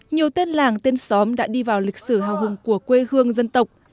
nhiều tên làng tên xóm đã đi vào lịch sử hào hùng của quê hương dân tộc